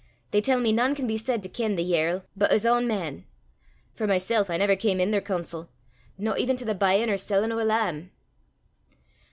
They tell me nane can be said to ken the yerl but his ain man. For mysel' I never cam i' their coonsel no even to the buyin' or sellin' o' a lamb."